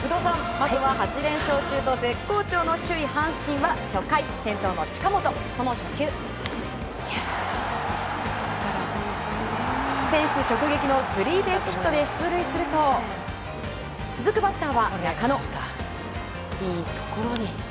まずは８連勝中と絶好調の首位、阪神は初回１番、近本その初球、フェンス直撃のスリーベースヒットで出塁すると続くバッターは中野。